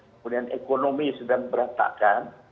kemudian ekonomis dan beratakan